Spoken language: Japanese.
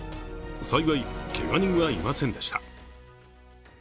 幸い、けが人はいませんでした。